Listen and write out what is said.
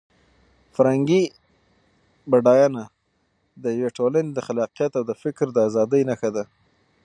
فرهنګي بډاینه د یوې ټولنې د خلاقیت او د فکر د ازادۍ نښه ده.